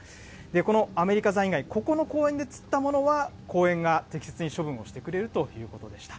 このアメリカザリガニ、ここの公園で釣ったものは、公園が適切に処分をしてくれるということでした。